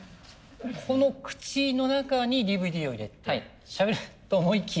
この口の中にＤＶＤを入れてしゃべると思いきや。